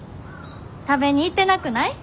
食べに行ってなくない？